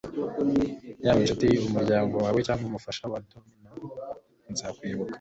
yaba inshuti, umuryango wawe, cyangwa umufasha wa domino, nzakwibuka